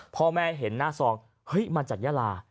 พ่อแม่เห็นหน้าซองเฮ้ยมาจากยาลา